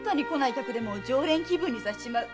客でも常連気分にさせちまう。